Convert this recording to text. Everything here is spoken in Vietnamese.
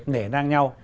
nể nang nhau